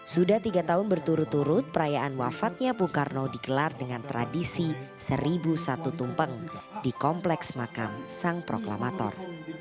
sudah tiga tahun berturut turut perayaan wafatnya bung karno dikelar dengan tradisi seribu satu tumpeng di kompleks makam sang proklamator